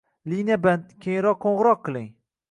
Liniya band, keyinroq qo'ng'iroq qiling.